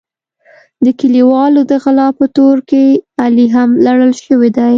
د کلیوالو د غلا په تور کې علي هم لړل شوی دی.